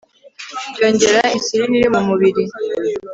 byongera insulin iri mu mubiri